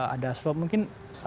ada slope mungkin